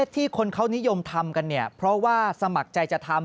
ที่คนเขานิยมทำกันเพราะสมัครใจจะทำ